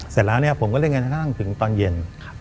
เสร็จแล้วเนี่ยผมก็เล่นกันกระทั่งถึงตอนเย็น